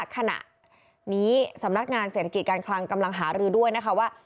ขณะนี้สำนักงานเศรษฐกิจการคลังกำลังหารือด้วยนะคะว่า